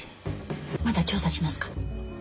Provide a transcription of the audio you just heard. まだ調査しますか？